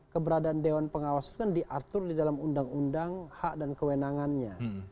keberadaan dewan pengawas itu kan diatur di dalam undang undang hak dan kewenangannya